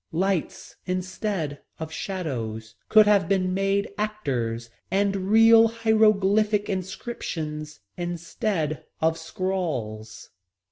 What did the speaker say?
Lights instead of shadows could have been made actors and real hieroglyphic inscriptions instead of scrawls.